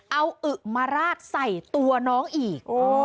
เอาอึมาราดใส่ตัวน้องอีก